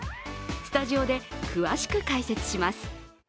スタジオで詳しく解説します。